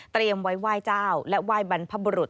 ไว้ไหว้เจ้าและไหว้บรรพบุรุษ